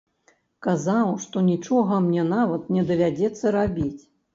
Казаў, што нічога мне нават не давядзецца рабіць.